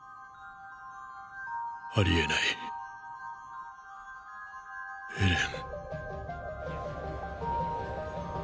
ありえないエレン！